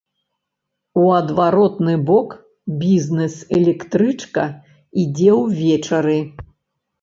У адваротны бок бізнэс-электрычка ідзе ўвечары.